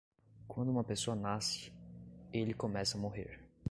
Quando uma pessoa nasce, ele começa a morrer.